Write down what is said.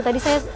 tadi saya gak